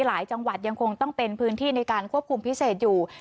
จังหวัดยังคงต้องเป็นพื้นที่ในการควบคุมพิเศษอยู่